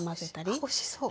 あおいしそう。